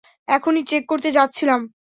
এখনই চেক করতে যাচ্ছিলাম!